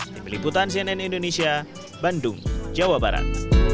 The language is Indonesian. dari meliputan cnn indonesia bandung jawa barat